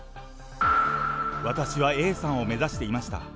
私はＡさんを目指していました。